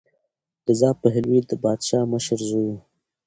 رضا پهلوي د پادشاه مشر زوی و.